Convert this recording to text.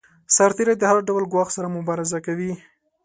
سرتیری د هر ډول ګواښ سره مبارزه کوي.